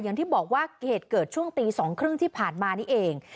อย่างที่บอกว่าเหตุเกิดช่วงตี๒๓๐ที่ผ่านมานี่เอง